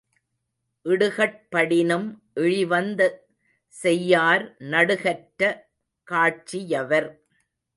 இடுக்கட் படினும் இழிவந்த செய்யார் நடுக்கற்ற காட்சி யவர்.